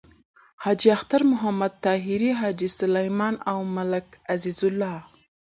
حاجی اختر محمد طاهري، حاجی سلیمان او ملک عزیز الله…